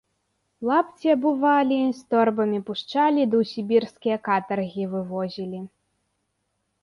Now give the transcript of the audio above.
У лапці абувалі, з торбамі пушчалі ды ў сібірскія катаргі вывозілі.